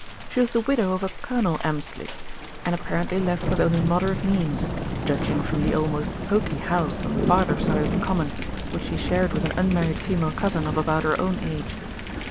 She was the widow of a Colonel Elmslie, and apparently left with only moderate means, judging from the almost poky house on the farther side of the Common, which she shared with an unmarried female cousin of about her own age.